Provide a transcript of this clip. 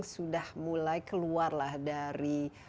sudah mulai keluar lah dari